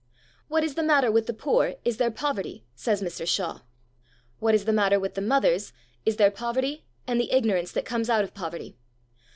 What is the matter with the poor is their poverty, says Mr. Shaw. What is the matter with the mothers is their poverty and the ignorance that comes out of poverty.